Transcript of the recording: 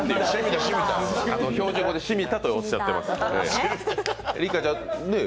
標準語で「しみた」とおっしゃってます。